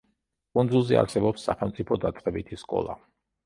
კუნძულზე არსებობს სახელმწიფო დაწყებითი სკოლა.